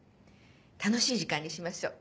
楽しい時間にしましょう。